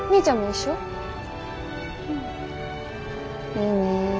いいねえ。